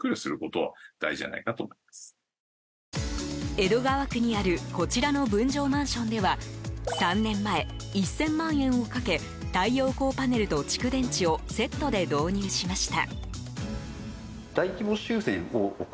江戸川区にあるこちらの分譲マンションでは３年前、１０００万円をかけ太陽光パネルと蓄電池をセットで導入しました。